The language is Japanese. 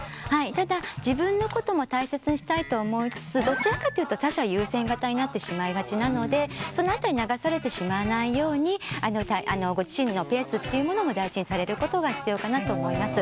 ただ自分のことも大切にしたいと思いつつどちらかというと他者優先型になってしまいがちなのでその辺り流されてしまわないようにご自身のペースっていうものも大事にされることが必要かなと思います。